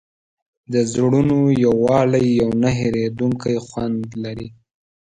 د زړونو یووالی یو نه هېرېدونکی خوند لري.